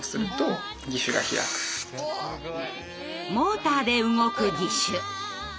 モーターで動く義手。